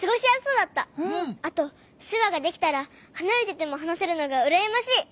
あとしゅわができたらはなれててもはなせるのがうらやましい！